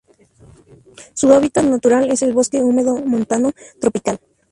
Su hábitat natural es el bosque húmedo montano tropical.